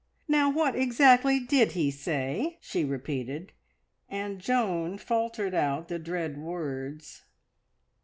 "Now, what exactly did he say?" she repeated, and Joan faltered out the dread words.